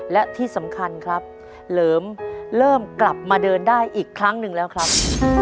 และที่สำคัญครับเหลิมเริ่มกลับมาเดินได้อีกครั้งหนึ่งแล้วครับ